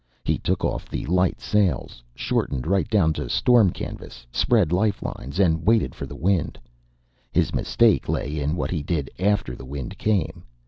He took off the light sails, shortened right down to storm canvas, spread life lines, and waited for the wind. His mistake lay in what he did after the wind came.